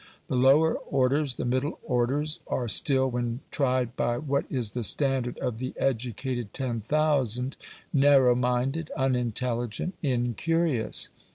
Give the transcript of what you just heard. The lower orders, the middle orders, are still, when tried by what is the standard of the educated "ten thousand," narrow minded, unintelligent, incurious.